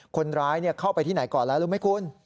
คนร้ายเข้าไปที่ไหนก่อนแล้วรู้ไหมคุณ